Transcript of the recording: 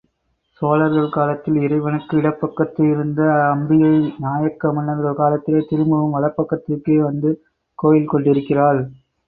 சோழர்கள் காலத்தில் இறைவனுக்கு இடப்பக்கத்தில் இருந்த அம்பிகை நாயக்க மன்னர்கள் காலத்திலே திரும்பவும் வலப்பக்கத்திற்கே வந்து கோயில் கொண்டிருக்கிறாள்.